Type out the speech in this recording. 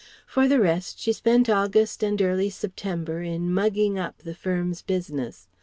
For the rest she spent August and early September in "mugging up" the firm's business.